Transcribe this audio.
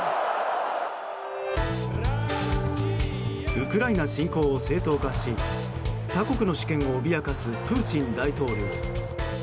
ウクライナ侵攻を正当化し他国の主権を脅かすプーチン大統領。